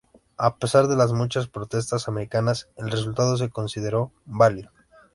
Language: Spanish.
A pesar de las muchas protestas americanas, el resultado se consideró válido.